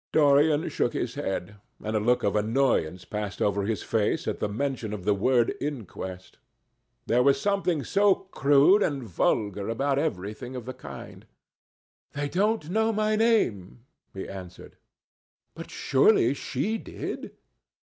Dorian shook his head, and a look of annoyance passed over his face at the mention of the word "inquest." There was something so crude and vulgar about everything of the kind. "They don't know my name," he answered. "But surely she did?"